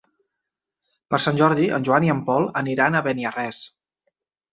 Per Sant Jordi en Joan i en Pol aniran a Beniarrés.